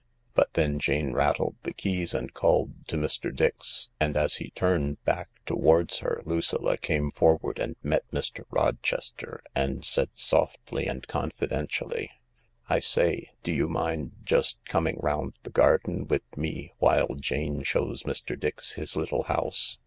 But then Jane rattled the keys and called to Mr. Dix, and as he turned back towards her Lucilla came forward and met Mr. Rochester, and said softly and confidentially: " I say, do you mind just coming round the garden with me while Jane shows Mr. Dix his little house